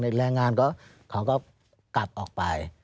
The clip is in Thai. แรงงานเขาก็กลับออกไป